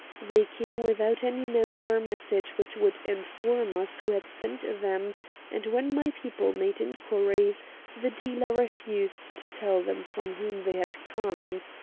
They came without any note or message which would inform us who had sent them, and when my people made inquiries, the dealer refused to tell them from whom they had come.